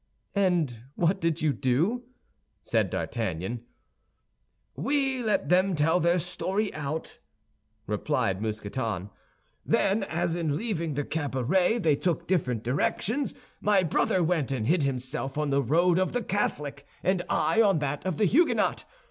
"And what did you do?" said D'Artagnan. "We let them tell their story out," replied Mousqueton. "Then, as in leaving the cabaret they took different directions, my brother went and hid himself on the road of the Catholic, and I on that of the Huguenot.